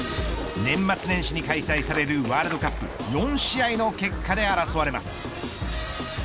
年末年始に開催されるワールドカップ４試合の結果で争われます。